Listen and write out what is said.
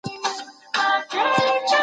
احمد په ډېرې خوندورې کیسې موږ ټول سرګرم کړو.